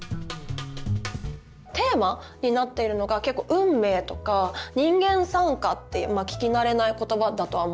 テーマになっているのが結構「運命」とか「人間讃歌」っていうまあ聞き慣れない言葉だとは思うんですけど。